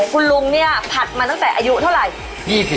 คือเป็นร้านเหมือนตามสั่งอย่างนี้หรอ